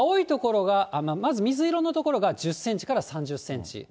まず水色の所が１０センチから３０センチ。